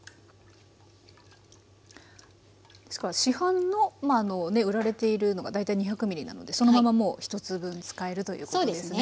市販の売られているのが大体２００ｍなのでそのままもう１つ分使えるということですね。